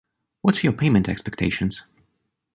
What are your payment expectations?